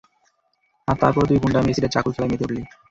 আর তারপরও তুই গুন্ডামি, এসিড আর চাকুর খেলায় মেতে উঠলি।